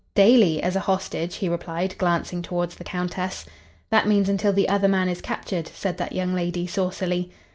"Daily as a hostage," he replied, glancing toward the Countess. "That means until the other man is captured," said that young lady, saucily.